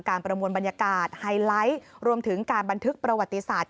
ประมวลบรรยากาศไฮไลท์รวมถึงการบันทึกประวัติศาสต